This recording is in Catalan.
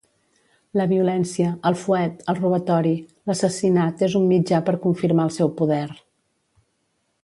La violència, el fuet, el robatori, l'assassinat és un mitjà per confirmar el seu poder.